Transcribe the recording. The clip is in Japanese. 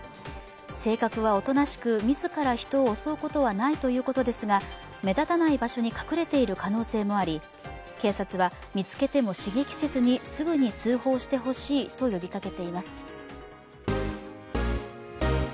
性格はおとなしく、自ら人を襲うことはないということですが、目立たない場所に隠れている可能性もあり、警察は、見つけても刺激せずにすぐに通報してほしいと呼びかけています。